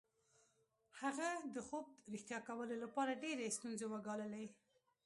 هغه د خوب رښتیا کولو لپاره ډېرې ستونزې وګاللې